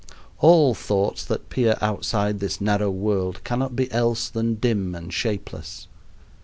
All thoughts that peer outside this narrow world cannot be else than dim and shapeless.